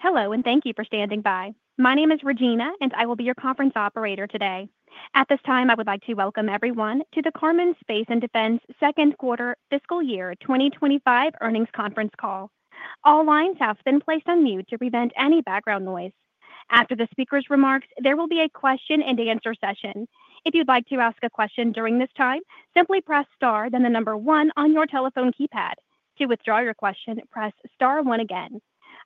Hello, and thank you for standing by. My name is Regina, and I will be your conference operator today. At this time, I would like to welcome everyone to the Karman Space & Defense Second Quarter Fiscal Year 2025 Earnings Conference Call. All lines have been placed on mute to prevent any background noise. After the speaker's remarks, there will be a question and answer session. If you'd like to ask a question during this time, simply press star, then the number one on your telephone keypad. To withdraw your question, press star one again.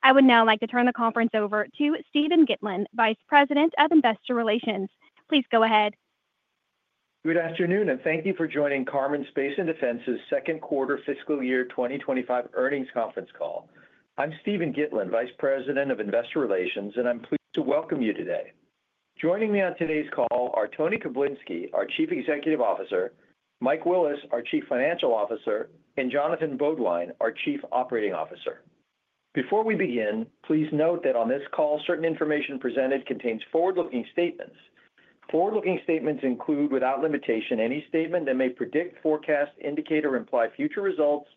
I would now like to turn the conference over to Steven Gitlin, Vice President of Investor Relations. Please go ahead. Good afternoon, and thank you for joining Karman Space & Defense's Second Quarter Fiscal Year 2025 Earnings Conference Call. I'm Steven Gitlin, Vice President of Investor Relations, and I'm pleased to welcome you today. Joining me on today's call are Tony Koblinski, our Chief Executive Officer, Mike Willis, our Chief Financial Officer, and Jonathan Beaudoin, our Chief Operating Officer. Before we begin, please note that on this call, certain information presented contains forward-looking statements. Forward-looking statements include, without limitation, any statement that may predict, forecast, indicate, or imply future results,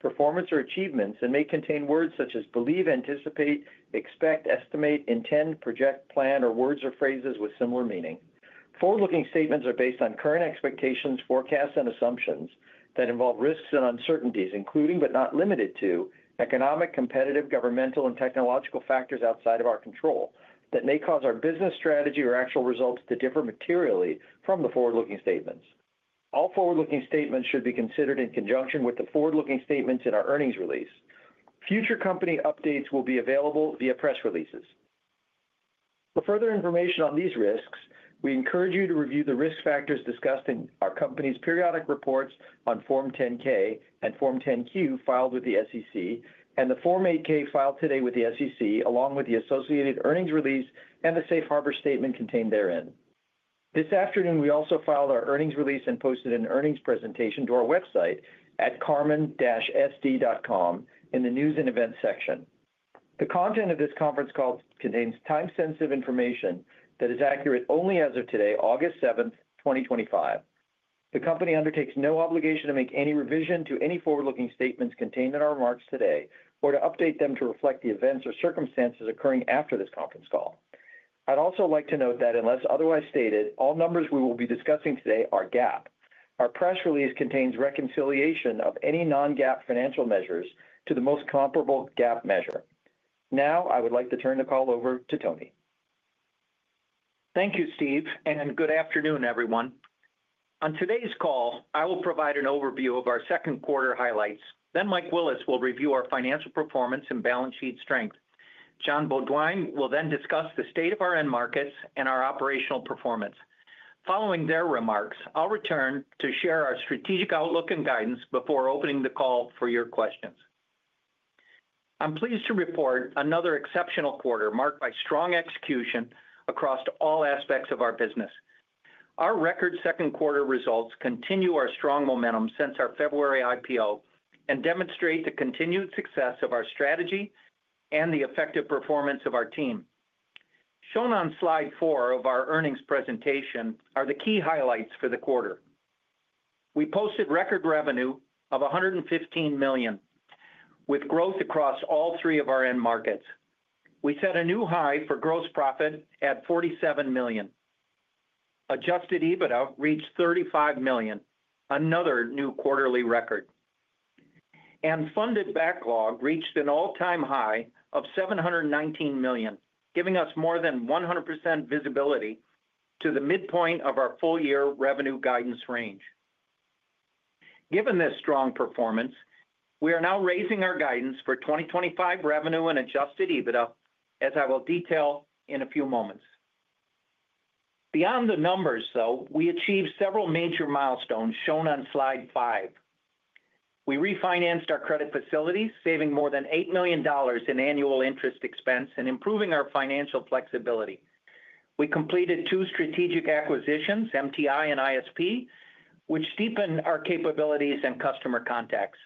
performance, or achievements, and may contain words such as believe, anticipate, expect, estimate, intend, project, plan, or words or phrases with similar meaning. Forward-looking statements are based on current expectations, forecasts, and assumptions that involve risks and uncertainties, including but not limited to economic, competitive, governmental, and technological factors outside of our control that may cause our business strategy or actual results to differ materially from the forward-looking statements. All forward-looking statements should be considered in conjunction with the forward-looking statements in our earnings release. Future company updates will be available via press releases. For further information on these risks, we encourage you to review the Risk Factors discussed in our company's periodic reports on Form 10-K and Form 10-Q filed with the SEC, and the Form 8-K filed today with the SEC, along with the associated earnings release and the safe harbor statement contained therein. This afternoon, we also filed our earnings release and posted an earnings presentation to our website at karman-sd.com in the News and Events section. The content of this conference call contains time-sensitive information that is accurate only as of today, August 7th, 2025. The company undertakes no obligation to make any revision to any forward-looking statements contained in our remarks today or to update them to reflect the events or circumstances occurring after this conference call. I'd also like to note that, unless otherwise stated, all numbers we will be discussing today are GAAP. Our press release contains reconciliation of any non-GAAP financial measures to the most comparable GAAP measure. Now, I would like to turn the call over to Tony. Thank you, Steve, and good afternoon, everyone. On today's call, I will provide an overview of our second quarter highlights. Then Mike Willis will review our financial performance and balance sheet strength. Jon Beaudoin will then discuss the state of our end markets and our operational performance. Following their remarks, I'll return to share our strategic outlook and guidance before opening the call for your questions. I'm pleased to report another exceptional quarter marked by strong execution across all aspects of our business. Our record second quarter results continue our strong momentum since our February IPO and demonstrate the continued success of our strategy and the effective performance of our team. Shown on slide four of our earnings presentation are the key highlights for the quarter. We posted record revenue of $115 million, with growth across all three of our end markets. We set a new high for gross profit at $47 million. Adjusted EBITDA reached $35 million, another new quarterly record. Funded backlog reached an all-time high of $719 million, giving us more than 100% visibility to the midpoint of our full-year revenue guidance range. Given this strong performance, we are now raising our guidance for 2025 revenue and adjusted EBITDA, as I will detail in a few moments. Beyond the numbers, though, we achieved several major milestones shown on slide five. We refinanced our credit facilities, saving more than $8 million in annual interest expense and improving our financial flexibility. We completed two strategic acquisitions, MTI and ISP, which deepened our capabilities and customer contacts.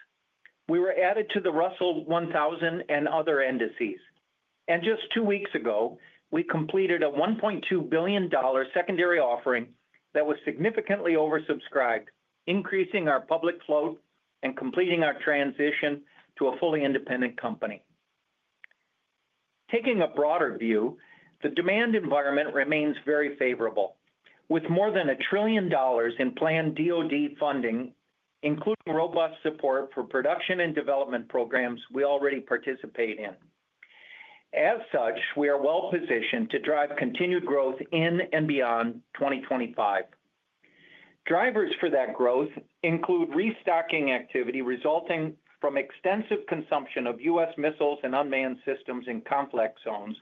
We were added to the Russell 1000 and other indices. Just two weeks ago, we completed a $1.2 billion secondary offering that was significantly oversubscribed, increasing our public float and completing our transition to a fully independent company. Taking a broader view, the demand environment remains very favorable, with more than a trillion dollars in planned DoD funding, including robust support for production and development programs we already participate in. As such, we are well positioned to drive continued growth in and beyond 2025. Drivers for that growth include restocking activity resulting from extensive consumption of U.S. missiles and unmanned systems in complex zones,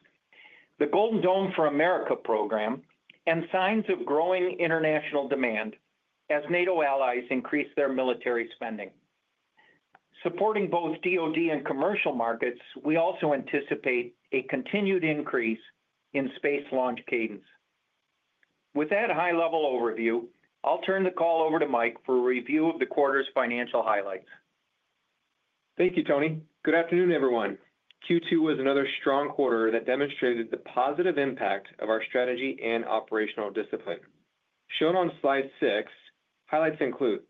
the Golden Dome for America program, and signs of growing international demand as NATO allies increase their military spending. Supporting both DoD and commercial markets, we also anticipate a continued increase in space launch cadence. With that high-level overview, I'll turn the call over to Mike for a review of the quarter's financial highlights. Thank you, Tony. Good afternoon, everyone. Q2 was another strong quarter that demonstrated the positive impact of our strategy and operational discipline. Shown on slide six, highlights include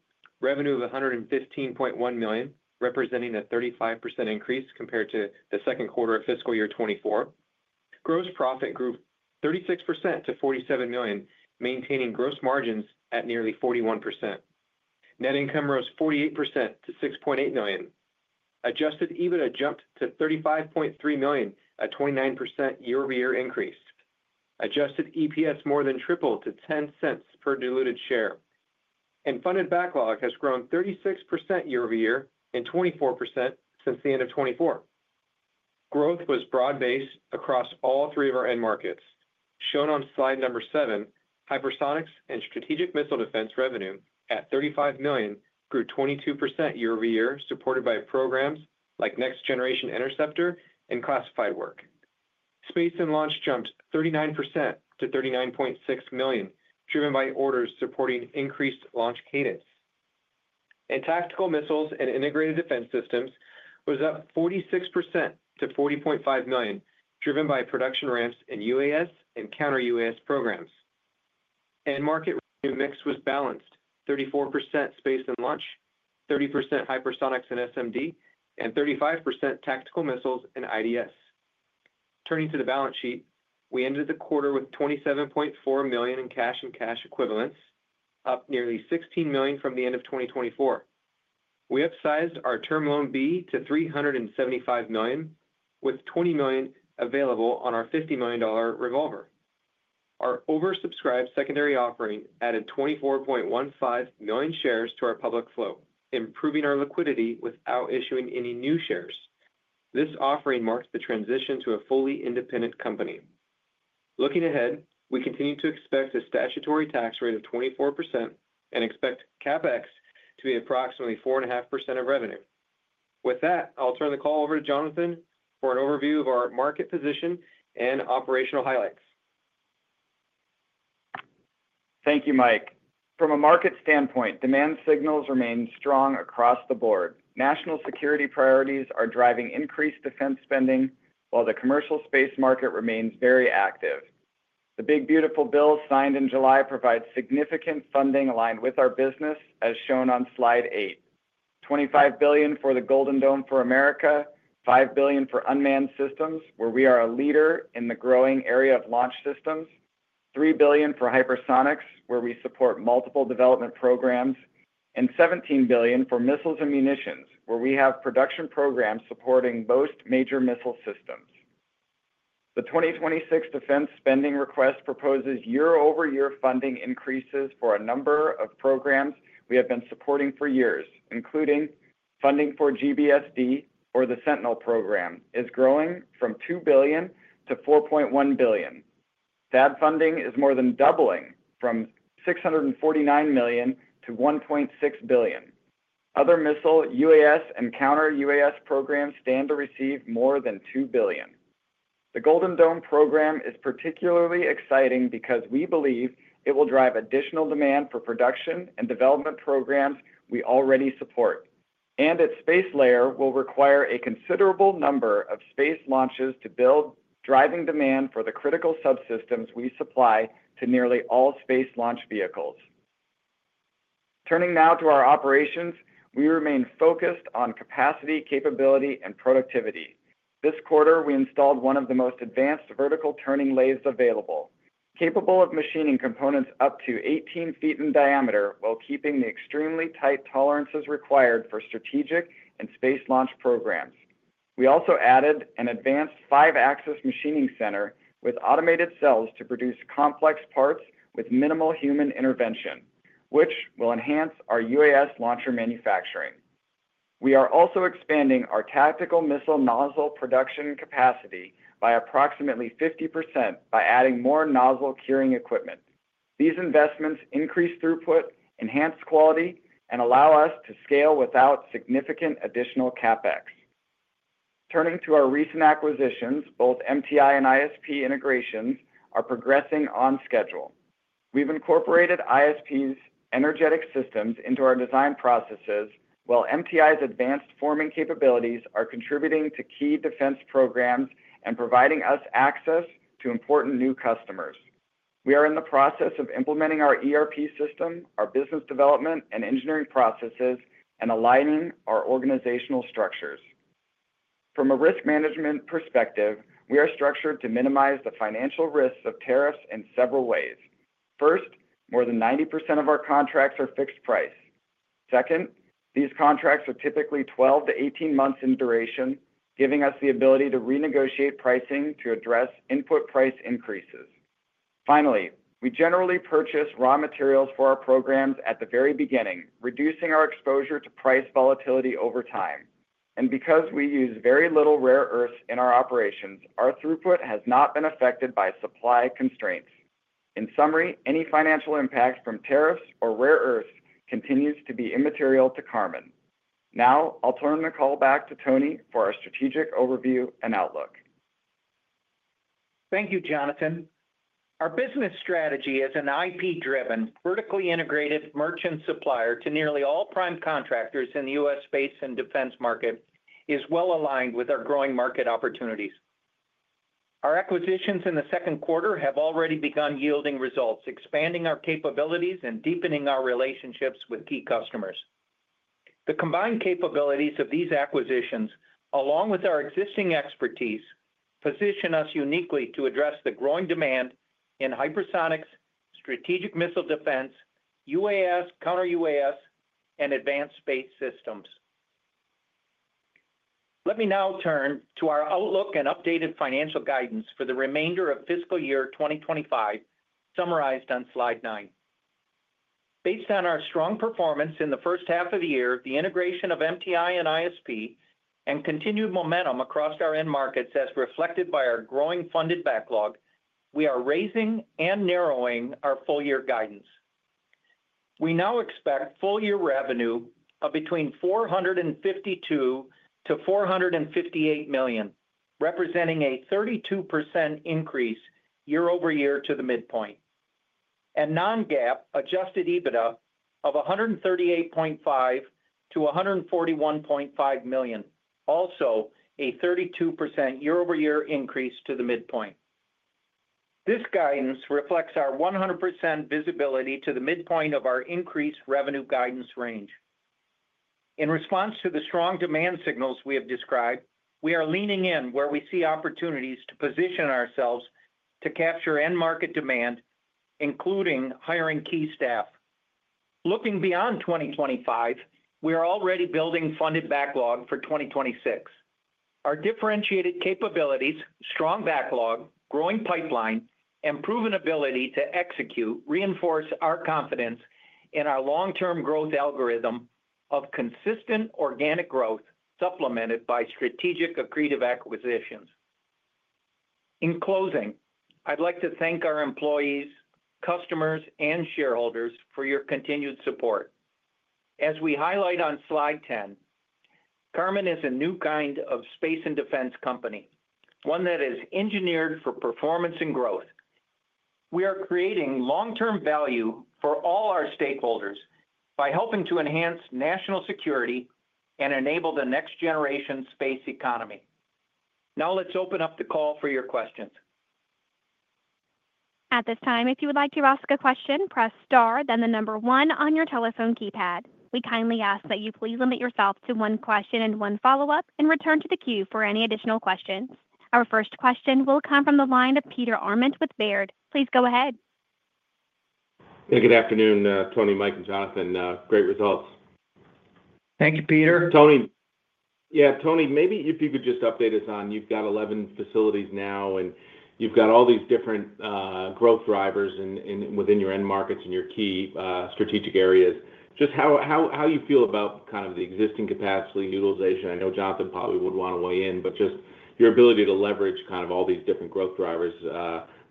revenue of $115.1 million, representing a 35% increase compared to the second quarter of fiscal year 2024. Gross profit grew 36% to $47 million, maintaining gross margins at nearly 41%. Net income rose 48% to $6.8 million. Adjusted EBITDA jumped to $35.3 million, a 29% year-over-year increase. Adjusted EPS more than tripled to $0.10 per diluted share. Funded backlog has grown 36% year-over-year and 24% since the end of 2024. Growth was broad-based across all three of our end markets. Shown on slide number seven, Hypersonics and Strategic Missile Defense revenue at $35 million grew 22% year-over-year, supported by programs like Next Generation Interceptor and classified work. Space and Launch jumped 39% to $39.6 million, driven by orders supporting increased launch cadence. Tactical Missiles and Integrated Defense Systems were up 46% to $40.5 million, driven by production ramps in UAS and counter-UAS programs. End market revenue mix was balanced: 34% Space and Launch, 30% Hypersonics and SMD, and 35% Tactical Missiles and IDS. Turning to the balance sheet, we ended the quarter with $27.4 million in cash and cash equivalents, up nearly $16 million from the end of 2024. We upsized our Term Loan B to $375 million, with $20 million available on our $50 million revolver. Our oversubscribed secondary offering added 24.15 million shares to our public float, improving our liquidity without issuing any new shares. This offering marks the transition to a fully independent company. Looking ahead, we continue to expect a statutory tax rate of 24% and expect CapEx to be approximately 4.5% of revenue. With that, I'll turn the call over to Jonathan for an overview of our market position and operational highlights. Thank you, Mike. From a market standpoint, demand signals remain strong across the board. National security priorities are driving increased defense spending, while the commercial space market remains very active. The Big Beautiful Bill signed in July provides significant funding aligned with our business, as shown on slide eight: $25 billion for the Golden Dome for America program, $5 billion for Unmanned Systems, where we are a leader in the growing area of launch systems, $3 billion for Hypersonics, where we support multiple development programs, and $17 billion for Missiles and Munitions, where we have production programs supporting most major missile systems. The 2026 defense spending request proposes year-over-year funding increases for a number of programs we have been supporting for years, including funding for GBSD or the Sentinel program, is growing from $2 billion to $4.1 billion. That funding is more than doubling from $649 million to $1.6 billion. Other missile UAS and counter-UAS programs stand to receive more than $2 billion. The Golden Dome for America program is particularly exciting because we believe it will drive additional demand for production and development programs we already support. Its space layer will require a considerable number of space launches to build, driving demand for the critical subsystems we supply to nearly all space launch vehicles. Turning now to our operations, we remain focused on capacity, capability, and productivity. This quarter, we installed one of the most advanced vertical turning lathes available, capable of machining components up to 18 ft in diameter while keeping the extremely tight tolerances required for strategic and space launch programs. We also added an advanced five-axis machining center with automated cells to produce complex parts with minimal human intervention, which will enhance our UAS launcher manufacturing. We are also expanding our tactical missile nozzle production capacity by approximately 50% by adding more nozzle curing equipment. These investments increase throughput, enhance quality, and allow us to scale without significant additional CapEx. Turning to our recent acquisitions, both MTI and ISP integrations are progressing on schedule. We've incorporated ISP's energetic systems into our design processes, while MTI's advanced forming capabilities are contributing to key defense programs and providing us access to important new customers. We are in the process of implementing our ERP system, our business development and engineering processes, and aligning our organizational structures. From a risk management perspective, we are structured to minimize the financial risks of tariffs in several ways. First, more than 90% of our contracts are fixed price. Second, these contracts are typically 12 months-18 months in duration, giving us the ability to renegotiate pricing to address input price increases. Finally, we generally purchase raw materials for our programs at the very beginning, reducing our exposure to price volatility over time. Because we use very little rare earth in our operations, our throughput has not been affected by supply constraints. In summary, any financial impact from tariffs or rare earth continues to be immaterial to Karman. Now, I'll turn the call back to Tony for our strategic overview and outlook. Thank you, Jonathan. Our business strategy as an IP-driven, vertically integrated merchant supplier to nearly all prime contractors in the U.S. space and defense market is well aligned with our growing market opportunities. Our acquisitions in the second quarter have already begun yielding results, expanding our capabilities and deepening our relationships with key customers. The combined capabilities of these acquisitions, along with our existing expertise, position us uniquely to address the growing demand in Hypersonics, Strategic Missile efense, UAS, counter-UAS, and advanced space systems. Let me now turn to our outlook and updated financial guidance for the remainder of fiscal year 2025, summarized on slide nine. Based on our strong performance in the first half of the year, the integration of MTI and ISP, and continued momentum across our end markets, as reflected by our growing funded backlog, we are raising and narrowing our full-year guidance. We now expect full-year revenue of between $452 million-$458 million, representing a 32% increase year-over-year to the midpoint, and non-GAAP adjusted EBITDA of $138.5 million-$141.5 million, also a 32% year-over-year increase to the midpoint. This guidance reflects our 100% visibility to the midpoint of our increased revenue guidance range. In response to the strong demand signals we have described, we are leaning in where we see opportunities to position ourselves to capture end market demand, including hiring key staff. Looking beyond 2025, we are already building funded backlog for 2026. Our differentiated capabilities, strong backlog, growing pipeline, and proven ability to execute reinforce our confidence in our long-term growth algorithm of consistent organic growth, supplemented by strategic accretive acquisitions. In closing, I'd like to thank our employees, customers, and shareholders for your continued support. As we highlight Karman Space & Defense is a new kind of space and defense company, one that is engineered for performance and growth. We are creating long-term value for all our stakeholders by helping to enhance national security and enable the next-generation space economy. Now, let's open up the call for your questions. At this time, if you would like to ask a question, press star, then the number one on your telephone keypad. We kindly ask that you please limit yourself to one question and one follow-up and return to the queue for any additional questions. Our first question will come from the line of Peter Arment with Baird. Please go ahead. Yeah, good afternoon, Tony, Mike, and Jonathan. Great results. Thank you, Peter. Tony, maybe if you could just update us on you've got 11 facilities now and you've got all these different growth drivers within your end markets and your key strategic areas. Just how you feel about kind of the existing capacity utilization. I know Jon probably would want to weigh in, but just your ability to leverage kind of all these different growth drivers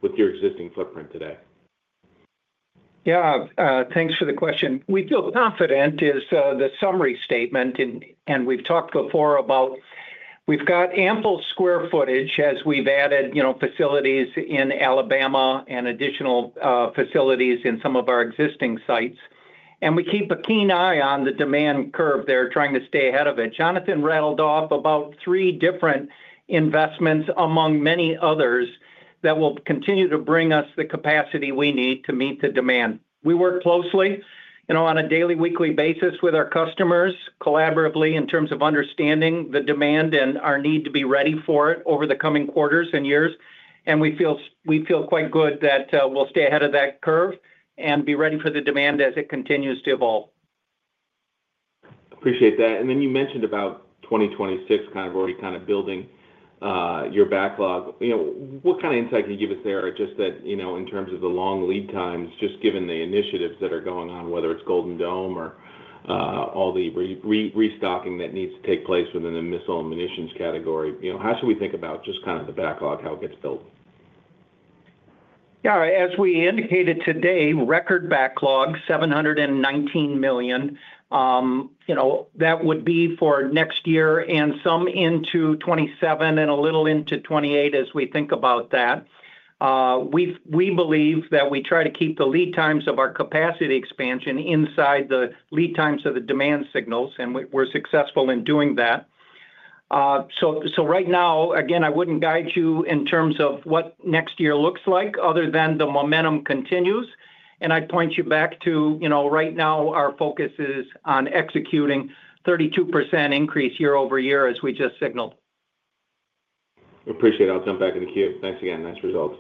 with your existing footprint today. Yeah, thanks for the question. We feel confident is the summary statement, and we've talked before about we've got ample square footage as we've added, you know, facilities in Alabama and additional facilities in some of our existing sites. We keep a keen eye on the demand curve there, trying to stay ahead of it. Jonathan rattled off about three different investments, among many others, that will continue to bring us the capacity we need to meet the demand. We work closely on a daily, weekly basis with our customers collaboratively in terms of understanding the demand and our need to be ready for it over the coming quarters and years. We feel quite good that we'll stay ahead of that curve and be ready for the demand as it continues to evolve. Appreciate that. You mentioned about 2026, kind of already building your backlog. What kind of insight can you give us there? In terms of the long lead times, just given the initiatives that are going on, whether it's Golden Dome or all the restocking that needs to take place within the Missile and Munitions category, how should we think about the backlog, how it gets built? Yeah, as we indicated today, record backlog, $719 million. That would be for next year and some into 2027 and a little into 2028 as we think about that. We believe that we try to keep the lead times of our capacity expansion inside the lead times of the demand signals, and we're successful in doing that. Right now, I wouldn't guide you in terms of what next year looks like other than the momentum continues. I'd point you back to, right now our focus is on executing 32% increase year-over-year as we just signaled. Appreciate it. I'll jump back in the queue. Thanks again. Nice results.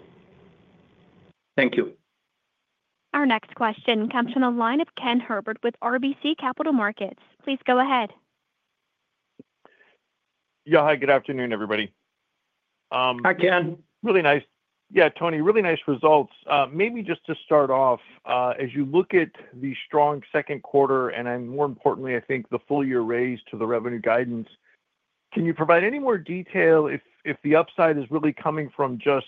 Thank you. Our next question comes from the line of Ken Herbert with RBC Capital Markets. Please go ahead. Yeah, hi, good afternoon, everybody. Hi, Ken. Really nice. Yeah, Tony, really nice results. Maybe just to start off, as you look at the strong second quarter, and more importantly, I think the full-year raise to the revenue guidance, can you provide any more detail if the upside is really coming from just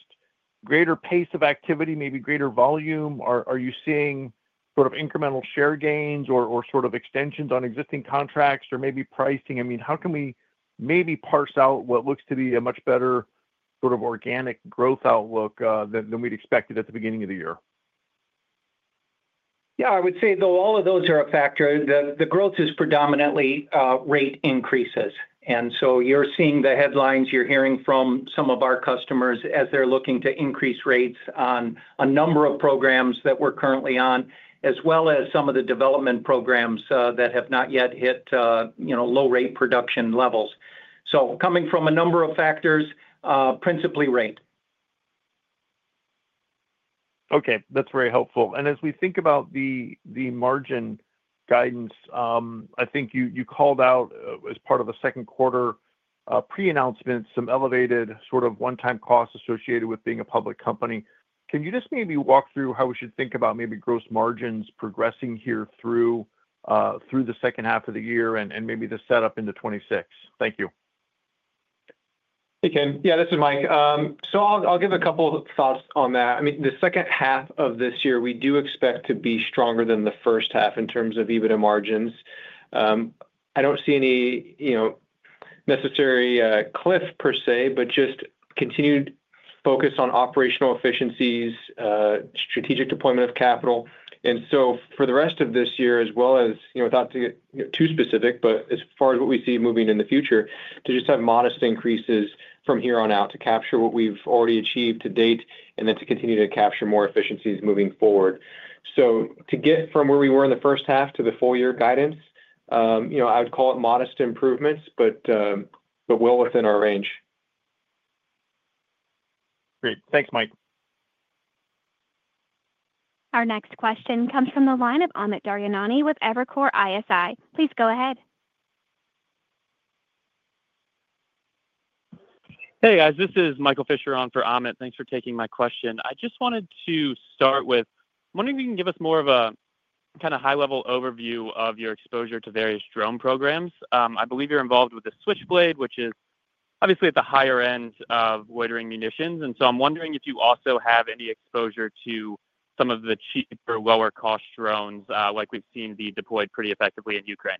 greater pace of activity, maybe greater volume? Are you seeing sort of incremental share gains or sort of extensions on existing contracts or maybe pricing? I mean, how can we maybe parse out what looks to be a much better sort of organic growth outlook than we'd expected at the beginning of the year? Yeah, I would say though all of those are a factor, the growth is predominantly rate increases. You're seeing the headlines you're hearing from some of our customers as they're looking to increase rates on a number of programs that we're currently on, as well as some of the development programs that have not yet hit low-rate production levels. It's coming from a number of factors, principally rate. Okay, that's very helpful. As we think about the margin guidance, I think you called out as part of a second quarter pre-announcement some elevated sort of one-time costs associated with being a public company. Can you just maybe walk through how we should think about maybe gross margins progressing here through the second half of the year and maybe the setup into 2026? Thank you. Hey, Ken. Yeah, this is Mike. I'll give a couple of thoughts on that. The second half of this year, we do expect to be stronger than the first half in terms of EBITDA margins. I don't see any necessary cliff per se, just continued focus on operational efficiencies and strategic deployment of capital. For the rest of this year, as well as, you know, without too specific, as far as what we see moving in the future, to just have modest increases from here on out to capture what we've already achieved to date and then to continue to capture more efficiencies moving forward. To get from where we were in the first half to the full-year guidance, I would call it modest improvements, but well within our range. Great. Thanks, Mike. Our next question comes from the line of Amit Daryanani with Evercore ISI. Please go ahead. Hey, guys, this is Michael Fisher on for Amit. Thanks for taking my question. I just wanted to start with, I'm wondering if you can give us more of a kind of high-level overview of your exposure to various drone programs. I believe you're involved with the Switchblade, which is obviously at the higher end of loitering munitions. I'm wondering if you also have any exposure to some of the cheaper lower-cost drones, like we've seen be deployed pretty effectively in Ukraine.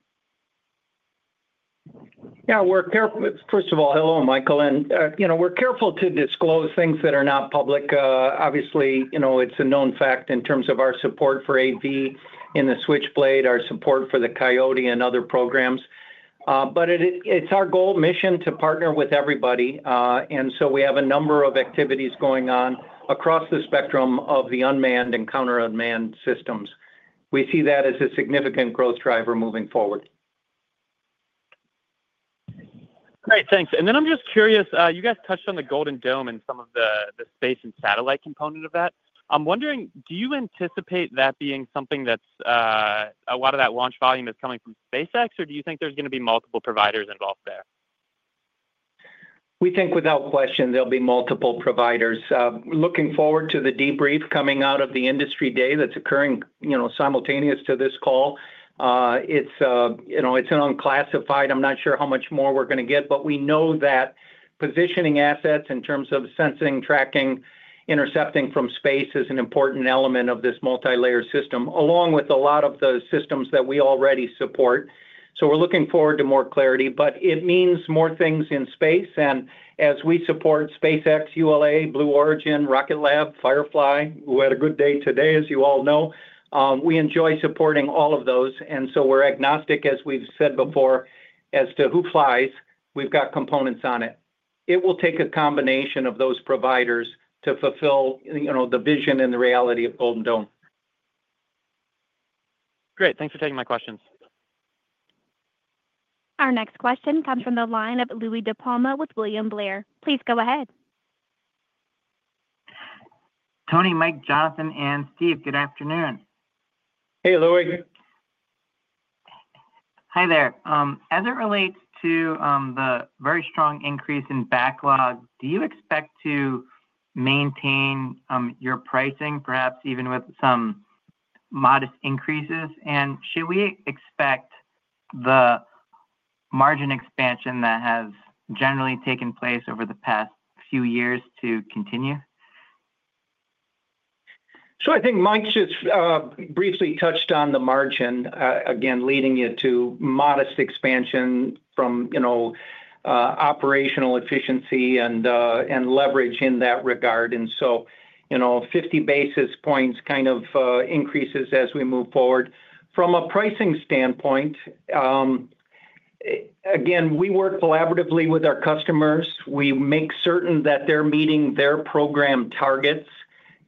Yeah, we're careful. First of all, hello, Michael. We're careful to disclose things that are not public. Obviously, it's a known fact in terms of our support for AV in the Switchblade, our support for the Coyote and other programs. It's our goal mission to partner with everybody. We have a number of activities going on across the spectrum of the unmanned and counter-unmanned systems. We see that as a significant growth driver moving forward. Great, thanks. I'm just curious, you guys touched on the Golden Dome and some of the space and satellite component of that. I'm wondering, do you anticipate that being something that's a lot of that launch volume is coming from SpaceX, or do you think there's going to be multiple providers involved there? We think without question there'll be multiple providers. Looking forward to the debrief coming out of the industry day that's occurring simultaneous to this call. It's an unclassified. I'm not sure how much more we're going to get, but we know that positioning assets in terms of sensing, tracking, intercepting from space is an important element of this multi-layer system, along with a lot of the systems that we already support. We're looking forward to more clarity, but it means more things in space. As we support SpaceX, ULA, Blue Origin, Rocket Lab, Firefly, who had a good day today, as you all know, we enjoy supporting all of those. We're agnostic, as we've said before, as to who flies. We've got components on it. It will take a combination of those providers to fulfill the vision and the reality of Golden Dome. Great, thanks for taking my questions. Our next question comes from the line of Louie DiPalma with William Blair. Please go ahead. Tony, Mike, Jonathan, and Steve, good afternoon. Hey, Louie. Hi there. As it relates to the very strong increase in backlog, do you expect to maintain your pricing, perhaps even with some modest increases? Should we expect the margin expansion that has generally taken place over the past few years to continue? I think Mike just briefly touched on the margin, again, leading you to modest expansion from, you know, operational efficiency and leverage in that regard. You know, 50 basis points kind of increases as we move forward. From a pricing standpoint, again, we work collaboratively with our customers. We make certain that they're meeting their program targets.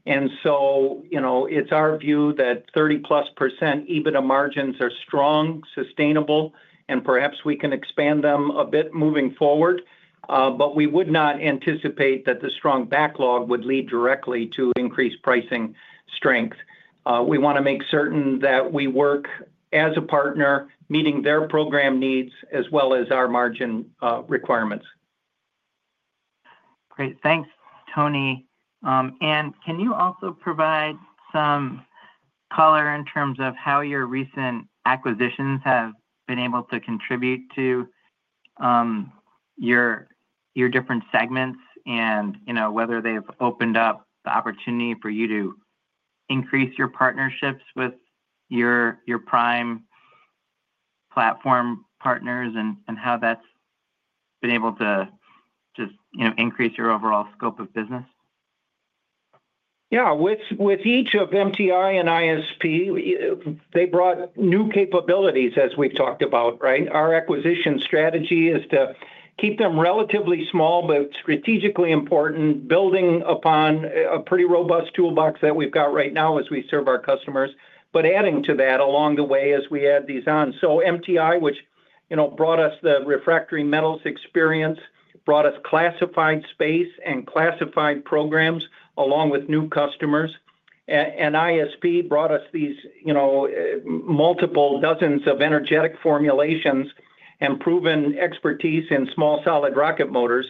It's our view that 30+% EBITDA margins are strong, sustainable, and perhaps we can expand them a bit moving forward. We would not anticipate that the strong backlog would lead directly to increased pricing strength. We want to make certain that we work as a partner, meeting their program needs as well as our margin requirements. Great, thanks, Tony. Can you also provide some color in terms of how your recent acquisitions have been able to contribute to your different segments and whether they've opened up the opportunity for you to increase your partnerships with your prime platform partners, and how that's been able to increase your overall scope of business? Yeah, with each of MTI and ISP, they brought new capabilities, as we've talked about, right? Our acquisition strategy is to keep them relatively small but strategically important, building upon a pretty robust toolbox that we've got right now as we serve our customers, but adding to that along the way as we add these on. MTI, which, you know, brought us the refractory metals experience, brought us classified space and classified programs along with new customers. ISP brought us these, you know, multiple dozens of energetic formulations and proven expertise in small solid rocket motors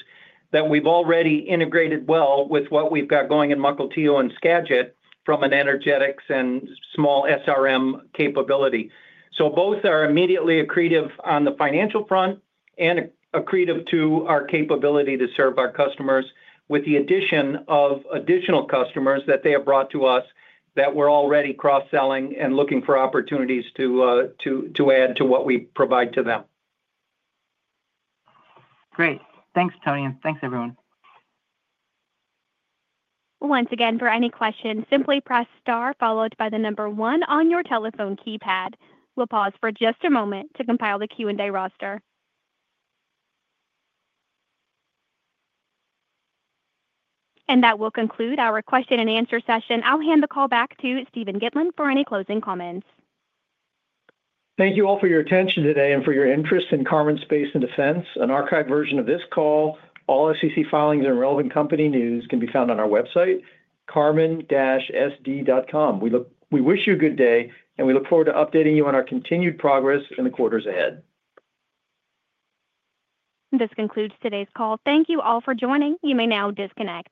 that we've already integrated well with what we've got going in Mukilteo and Skagit from an energetics and small SRM capability. Both are immediately accretive on the financial front and accretive to our capability to serve our customers with the addition of additional customers that they have brought to us that we're already cross-selling and looking for opportunities to add to what we provide to them. Great, thanks, Tony, and thanks everyone. Once again, for any questions, simply press star followed by the number one on your telephone keypad. We'll pause for just a moment to compile the Q&A roster. That will conclude our question and answer session. I'll hand the call back to Steven Gitlin for any closing comments. Thank you all for your attention today and for your interest in Karman Space & Defense. An archived version of this call, all SEC filings, and relevant company news can be found on our website, karman-sd.com. We wish you a good day and we look forward to updating you on our continued progress in the quarters ahead. This concludes today's call. Thank you all for joining. You may now disconnect.